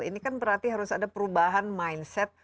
ini kan berarti harus ada perubahan mindset